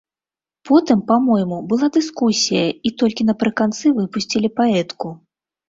Потым, па-мойму, была дыскусія, і толькі напрыканцы выпусцілі паэтку.